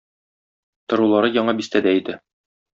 Торулары Яңа бистәдә иде.